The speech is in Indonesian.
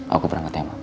aku berangkat ya ma